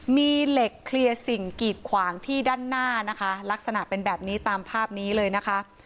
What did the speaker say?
มีเหล็กเคลียร์สิ่งกีดขวางที่ด้านหน้านะคะลักษณะเป็นแบบนี้ตามภาพนี้เลยนะคะ